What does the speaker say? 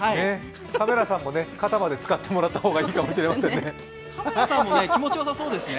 カメラさんも肩までつかってもらった方がいいと思いますね。